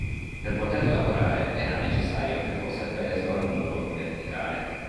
Per poter lavorare era necessario che fosse appeso al muro in verticale.